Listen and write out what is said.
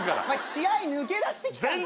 試合抜け出してきたんか？